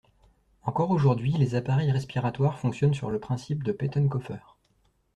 Encore aujourd'hui, les appareils respiratoires fonctionnent sur le principe de Pettenkofer.